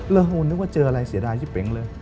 แล้วโหนึกว่าเจออะไรเสียดายชิบเป๋งเลย